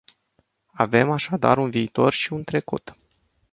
Avem așadar un viitor și un trecut.